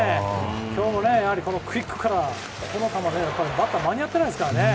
今日もクイックから、バッター間に合ってないですからね。